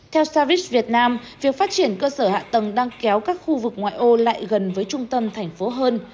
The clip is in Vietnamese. theo savins việt nam việc phát triển cơ sở hạ tầng đang kéo các khu vực ngoại ô lại gần với trung tâm thành phố hơn